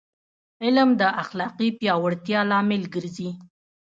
علم د اخلاقي پیاوړتیا لامل ګرځي.